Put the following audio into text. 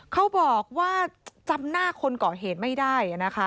เขาบอกว่าจำหน้าคนก่อเหตุไม่ได้นะคะ